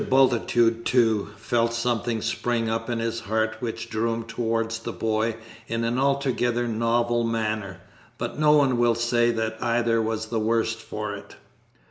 Bultitude too, felt something spring up in his heart which drew him towards the boy in an altogether novel manner, but no one will say that either was the worse for it.